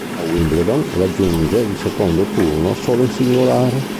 A Wimbledon raggiunge il secondo turno solo in singolare.